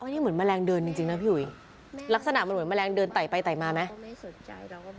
นี่เหมือนแมลงเดินจริงนะพี่อุ๋ยลักษณะมันเหมือนแมลงเดินไต่ไปไต่มาไหม